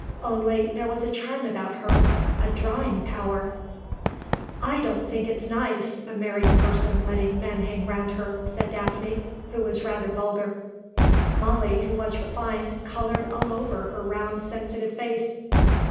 Only there was a charm about her, a drawing power.... "I don't think it's nice, a married person letting men hang round her," said Daphne, who was rather vulgar. Molly, who was refined, coloured all over her round, sensitive face.